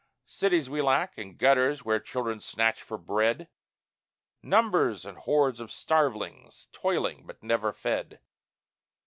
Cities we lack and gutters where children snatch for bread; Numbers and hordes of starvelings, toiling but never fed.